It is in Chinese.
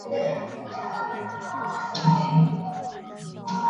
莫莉单凭技巧赚得大笔金钱及小费。